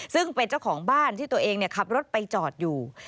ซึ่งเป็นเจ้าของบ้านที่ตัวเองขับรถไปจอดอยู่